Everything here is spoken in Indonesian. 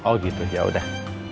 oh gitu yaudah